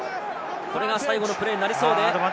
これが最後のプレーになるでしょうか？